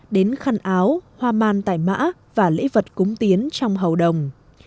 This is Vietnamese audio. đến khăn áo hoa man tài mã và lễ vật cúng tiến trong hầu đồng